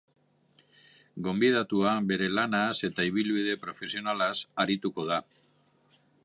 Gobidatuak, bere laanz eta ibilbide profesionalaz arituko da.